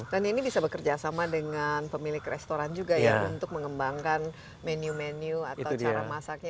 dan ini bisa bekerja sama dengan pemilik restoran juga ya untuk mengembangkan menu menu atau cara masaknya